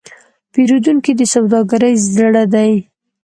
پیرودونکی د سوداګرۍ زړه دی.